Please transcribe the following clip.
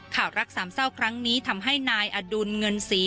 ข่าวรักสามเศร้าครั้งนี้ทำให้นายอดุลเงินศรี